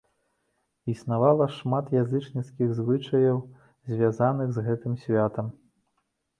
Існавала шмат язычніцкіх звычаяў, звязаных з гэтым святам.